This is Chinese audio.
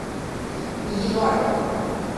米伊多尔格。